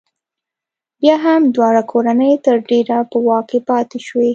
بیا هم دواړه کورنۍ تر ډېره په واک کې پاتې شوې.